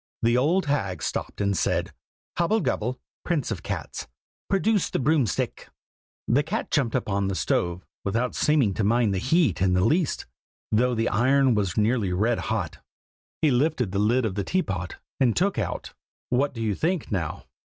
The old hag stopped and said "Hobble gobble, prince of cats, produce the broom stick!" "The cat jumped up on the stove, without seeming to mind the heat in the least, though the iron was nearly red hot. He lifted the lid of the teapot, and took out what do you think, now?